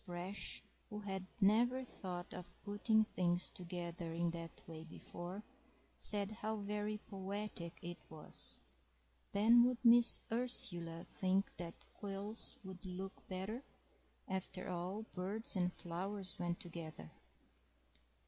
Brash, who had never thought of putting things together in that way before, said how very poetic it was. Then would Miss Ursula think that quills would look better? After all, birds and flowers went together.